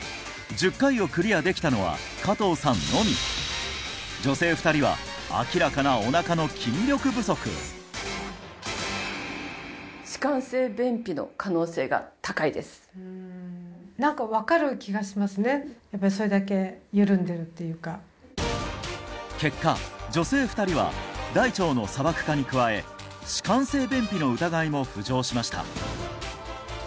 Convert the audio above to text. １０回をクリアできたのは加藤さんのみ女性２人は明らかなおなかの筋力不足何かやっぱりそれだけ緩んでるっていうか結果女性２人は大腸の砂漠化に加え弛緩性便秘の疑いも浮上しました